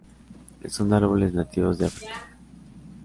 Son árboles nativos de África.